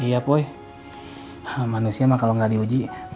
dan kadang ujian memang mengecewakan